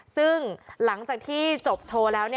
ซึ่งหลังจากที่จบโชว์แล้ว